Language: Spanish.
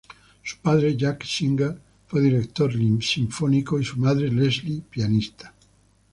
Su padre, Jacques Singer, fue director sinfónico, y su madre, Leslie, pianista.